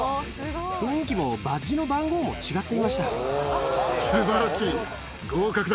雰囲気もバッジの番号も違っていすばらしい、合格だ。